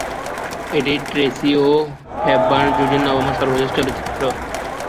এটি ট্রেসি ও হেপবার্ন জুটির নবম ও সর্বশেষ চলচ্চিত্র।